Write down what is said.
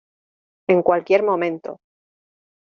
en cualquier momento.